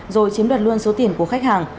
rồi chiếm đoạt luôn số tiền của khách hàng